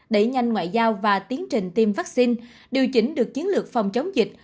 đẩy nhanh ngoại giao và tiến trình tiêm vaccine điều chỉnh được chiến lược phòng chống dịch